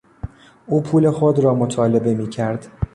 او پول خود را مطالبه میکرد.